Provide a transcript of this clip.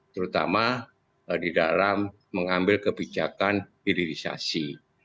terutama di dalam mengambil kebijakan hilirisasi